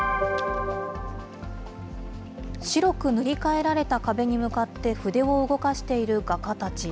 白く塗り替えられた壁に向かって、筆を動かしている画家たち。